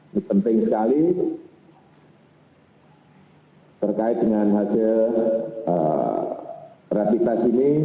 ini penting sekali terkait dengan hasil praktikasi ini